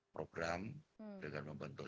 program dengan membentuk